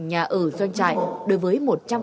nhà ở doanh trại đối với một trăm linh